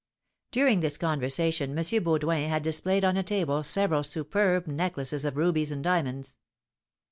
During this conversation, M. Baudoin had displayed on a table several superb necklaces of rubies and diamonds.